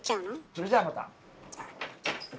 それじゃあまた。